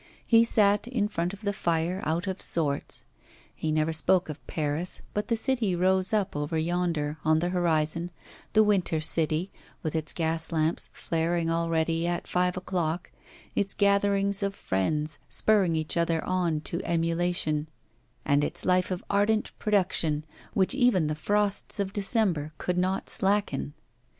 He sat in front of the fire, out of sorts; he never spoke of Paris, but the city rose up over yonder, on the horizon, the winter city, with its gaslamps flaring already at five o'clock, its gatherings of friends, spurring each other on to emulation, and its life of ardent production, which even the frosts of December could not slacken.